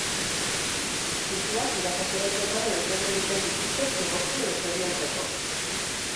Puntuak irakasleek eman edo kendu egiten dituzte zigortu edo zoriontzeko.